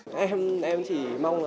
bình minh gia club